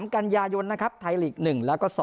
กันยายนนะครับไทยลีก๑แล้วก็๒